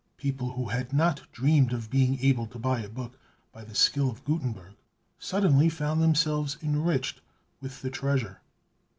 People who had not dreamed of being able to buy a book, by the skill of Gutenberg suddenly found themselves enriched with the treasure.